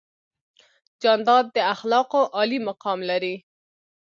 جانداد د اخلاقو عالي مقام لري.